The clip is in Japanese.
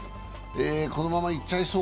このままいっちゃいそう。